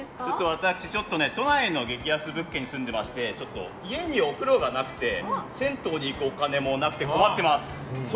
私、都内の激安物件に住んでいまして家にお風呂がなくて銭湯に行くお金もなくて困っています。